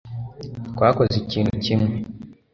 twakoze ikintu kimwe